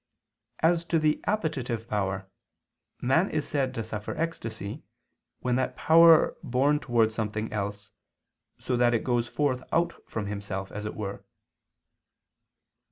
As to the appetitive power, a man is said to suffer ecstasy, when that power is borne towards something else, so that it goes forth out from itself, as it were.